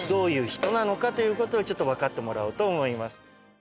分かってもらおうと思います。